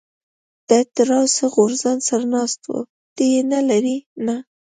دی تراوسه ځوړند سر ناست و، ته یې نه لرې؟ نه.